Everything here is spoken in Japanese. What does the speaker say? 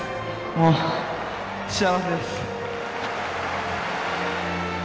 もう幸せです。